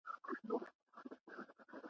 علم به زمونږ ژوند روښانه کړي.